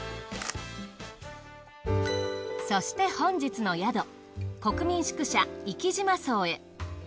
そして本日の宿国民宿舎壱岐島荘へ。